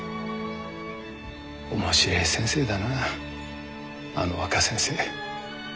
面白え先生だなあの若先生。